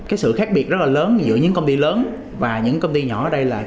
cái sự khác biệt rất là lớn giữa những công ty lớn và những công ty nhỏ ở đây là